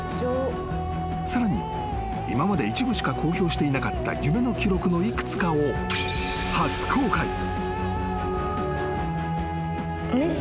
［さらに今まで一部しか公表していなかった夢の記録の幾つかを初公開］